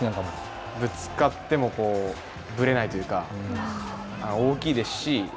ぶつかってもぶれないというか大きいですし。